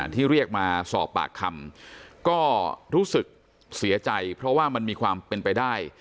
ที่เรียกมาสอบปากคำก็รู้สึกเสียใจเพราะว่ามันมีความเป็นไปได้